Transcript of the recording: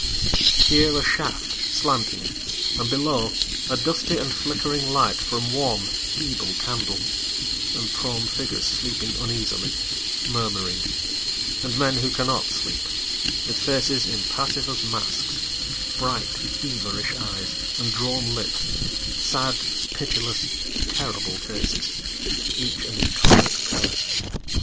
Here a shaft, slanting, and below A dusty and flickering light from one feeble candle And prone figures sleeping uneasily, Murmuring, And men who cannot sleep, With faces impassive as masks, Bright, feverish eyes, and drawn lips, Sad, pitiless, terrible faces, Each an incarnate curse.